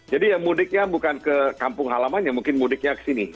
jadi ya mudiknya bukan ke kampung halaman ya mungkin mudiknya ke sini